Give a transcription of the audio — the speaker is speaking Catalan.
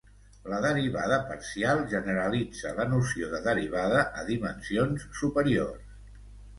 La derivada parcial generalitza la noció de derivada a dimensions superiors.